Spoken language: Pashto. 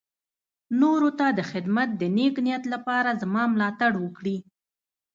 نورو ته د خدمت د نېک نيت لپاره زما ملاتړ وکړي.